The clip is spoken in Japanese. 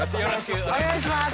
お願いします。